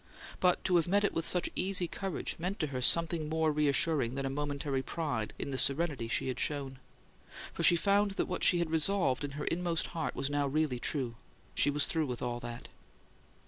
But to have met it with such easy courage meant to her something more reassuring than a momentary pride in the serenity she had shown. For she found that what she had resolved in her inmost heart was now really true: she was "through with all that!"